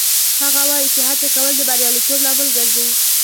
هغه وایي چې هڅه کول د بریالیتوب لامل ګرځي